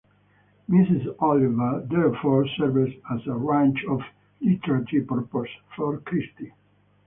Mrs Oliver therefore serves a range of literary purposes for Christie.